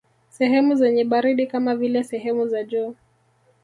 Sehemu zenye baridi kama vile sehemu za juu